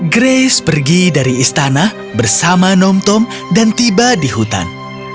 grace pergi dari istana bersama nomtom dan tiba di hutan